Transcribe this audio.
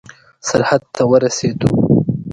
سرحد ته ورسېدو.